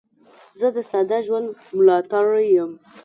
زه د ساده ژوند ملاتړی یم.